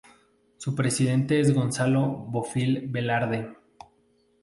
Su presidente es Gonzalo Bofill Velarde.